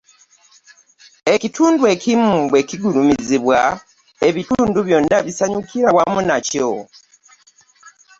Ekitundu ekimu bwe kigulumizibwa, ebitundu byonna bisanyukira wamu nakyo.